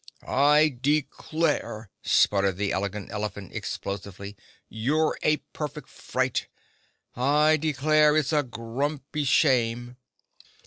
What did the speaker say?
"I declare," spluttered the Elegant Elephant explosively, "you're a perfect fright. I declare, it's a grumpy shame!"